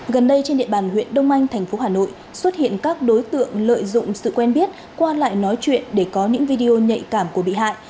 gần đây trên địa bàn huyện đông anh tp hà nội xuất hiện các đối tượng lợi dụng sự quen biết qua lại nói chuyện để có những video nhạy cảm của bị hại